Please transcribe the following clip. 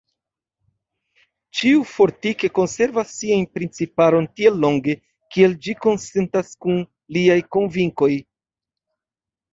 Ĉiu fortike konservas sian principaron tiel longe, kiel ĝi konsentas kun liaj konvinkoj.